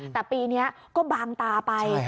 แต่ปีนี้ก็บางตาไป